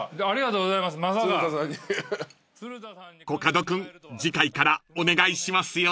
ありがとうございます。